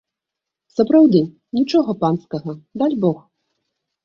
Сапраўды, нічога панскага, дальбог.